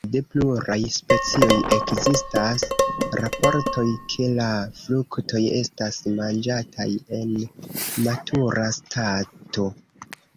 De pluraj specioj ekzistas raportoj, ke la fruktoj estas manĝataj en matura stato.